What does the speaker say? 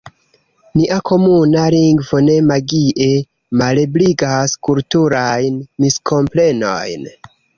Nia komuna lingvo ne magie malebligas kulturajn miskomprenojn.